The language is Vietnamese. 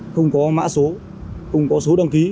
không có mã số không có số đăng ký